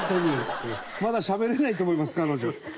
まだしゃべれないと思います彼女。